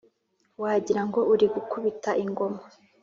wagirango uri gukubita ingoma